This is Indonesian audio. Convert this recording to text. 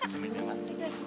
pamit dulu ya mak